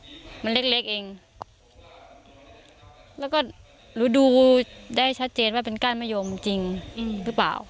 มันเล็กเล็กเองแล้วก็หรือดูได้ชัดเจนว่าเป็นก้านมะยมจริงอืมหรือเปล่า